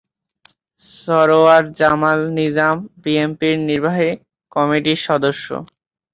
সরওয়ার জামাল নিজাম বিএনপির নির্বাহী কমিটির সদস্য।